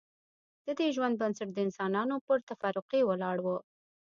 ددې ژوند بنسټ د انسانانو پر تفرقې ولاړ و